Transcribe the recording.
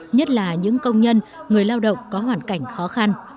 nhất là những công nhân người lao động có hoàn cảnh khó khăn